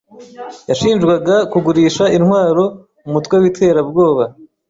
yashinjwaga kugurisha intwaro umutwe w'iterabwoba.